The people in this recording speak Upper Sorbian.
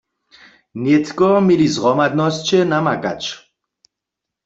Nětko měli zhromadnosće namakać.